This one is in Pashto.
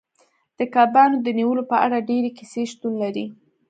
د کبانو د نیولو په اړه ډیرې کیسې شتون لري